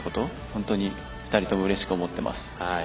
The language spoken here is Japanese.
本当に、２人ともうれしく思っています。